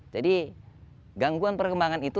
jadi gangguan perkembangan itu